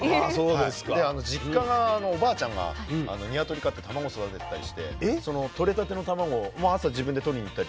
で実家がおばあちゃんが鶏飼ってたまご育ててたりしてその取れたてのたまごをもう朝自分で取りに行ったり。